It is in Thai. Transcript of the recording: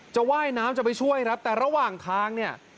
ว่ายน้ำจะไปช่วยครับแต่ระหว่างทางเนี่ย